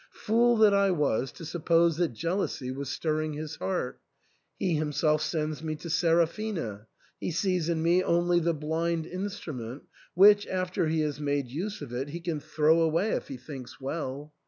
Fool that I was to suppose that jealousy was stirring his heart ! He him self sends me to Seraphina ; he sees in me only the blind instrument which, after he has made use of it, he can throw away if he thinks well.